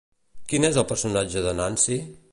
Quin és el personatge de Nancy?